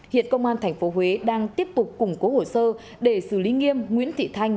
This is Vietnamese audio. hiện công an tp huế đang tiếp tục củng cố hồ sơ để xử lý nghiêm nguyễn thị thanh